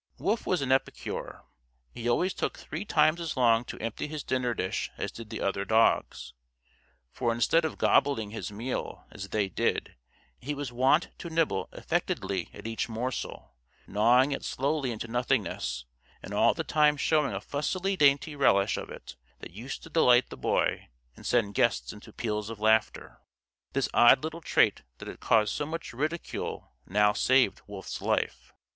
Wolf was an epicure; he always took three times as long to empty his dinner dish as did the other dogs, for instead of gobbling his meal, as they did, he was wont to nibble affectedly at each morsel, gnawing it slowly into nothingness; and all the time showing a fussily dainty relish of it that used to delight the Boy and send guests into peals of laughter. This odd little trait that had caused so much ridicule now saved Wolf's life.